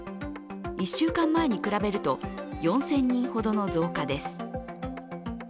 １週間前に比べると４０００人ほどの増加です。